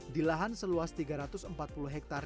di lahan seluas tiga ratus empat puluh hektare